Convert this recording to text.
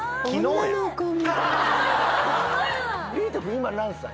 今何歳？